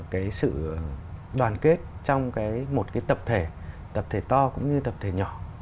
cái sự đoàn kết trong một cái tập thể tập thể to cũng như tập thể nhỏ